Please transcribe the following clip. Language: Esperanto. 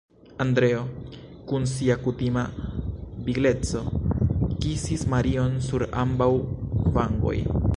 Andreo, kun sia kutima vigleco kisis Marion sur ambaŭ vangoj.